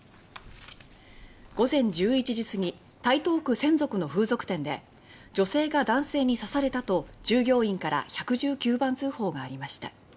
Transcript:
午前１１時すぎ台東区千束の風俗店で「女性が男性に刺された」と従業員から１１９番通報がありました。